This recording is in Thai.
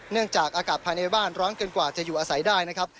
เนื่องจากอากาศภายในบ้านร้อนเกินกว่าจะอยู่อาศัยได้นะครับ